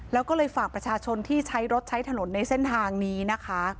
แล้วก็เลยฝากประชาชนที่ใช้รถใช้ถนนในเส้นทางนี้นะคะ